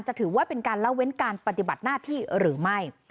ถือว่าเป็นการละเว้นการปฏิบัติหน้าที่หรือไม่